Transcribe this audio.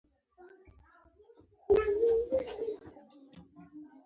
په سيټ کښې يې يوازې د يوه کس دواړه لينگي سکاره سوي وو.